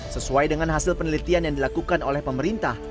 sesuai dengan hasil penelitian yang dilakukan oleh pemerintah